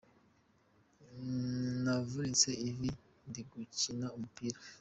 Navunitse ivi ndigukina umupira.